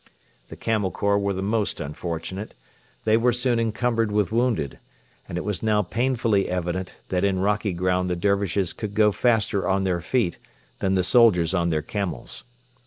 The Camel Corps were the most unfortunate. They were soon encumbered with wounded, and it was now painfully evident that in rocky ground the Dervishes could go faster on their feet than the soldiers on their camels.